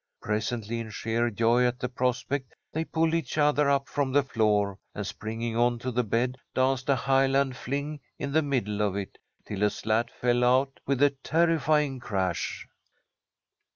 Presently, in sheer joy at the prospect, they pulled each other up from the floor, and, springing on to the bed, danced a Highland fling in the middle of it, till a slat fell out with a terrifying crash.